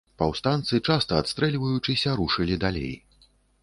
Паўстанцы, часта адстрэльваючыся, рушылі далей.